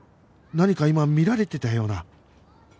何か今見られてたような